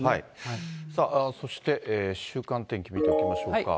さあそして、週間天気見ていきましょうか。